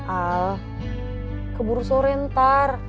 al keburu sore ntar